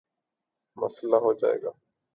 مسلہ ہو جائے گا۔